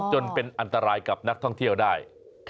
จนเป็นอันตรายกับนักท่องเที่ยวได้